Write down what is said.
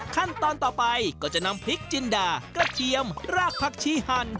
ขั้นตอนต่อไปก็จะนำพริกจินดากระเทียมรากผักชีหั่น